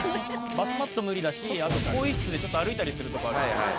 バスマット無理だしあと更衣室でちょっと歩いたりするとこあるじゃないですか。